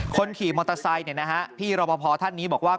คนขี่มอเตอร์ไซค์พี่รอปภท่านนี้บอกว่า